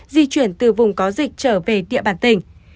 di chuyển từ vùng có dịch trở về địa bàn tỉnh